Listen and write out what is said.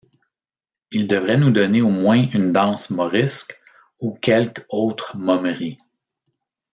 Ils devraient nous donner au moins une danse morisque, ou quelque autre momerie!